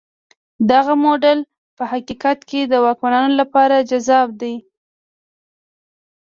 دغه موډل په حقیقت کې د واکمنانو لپاره جذاب دی.